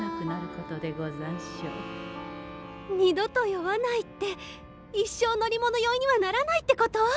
二度と酔わないって一生乗り物酔いにはならないってこと？